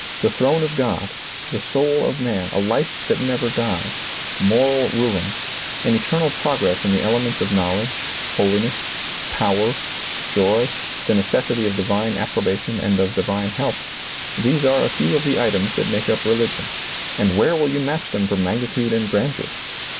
The throne of God, the soul of man, a life that never dies, moral ruin, an eternal progress in the elements of knowledge, holiness, power, joy, the necessity of divine approbation and of divine help — these are a few of the items that make up religion, and where will you match them for magnitude and grandeur?